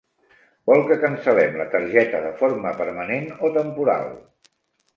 Vol que cancel·lem la targeta de forma permanent, o temporal?